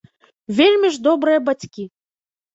Вельмі ж добрыя бацькі.